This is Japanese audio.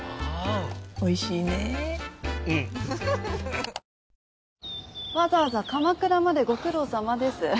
ワイドも薄型わざわざ鎌倉までご苦労さまです。